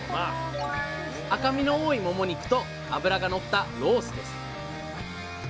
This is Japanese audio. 赤身の多いもも肉と脂がのったロースです。